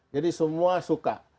jadi semua suka